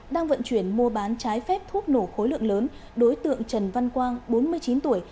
đang vận chuyển mua bán trái phép thuốc nổ khối lượng lớn đối tượng trần văn quang bốn mươi chín tuổi